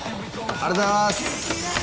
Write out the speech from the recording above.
ありがとうございます。